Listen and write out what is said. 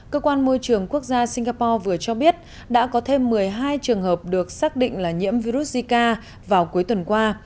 cơ quan môi trường quốc gia singapore vừa cho biết đã có thêm một mươi hai trường hợp được xác định là nhiễm virus zika vào cuối tuần qua